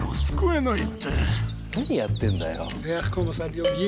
何やってんだよ。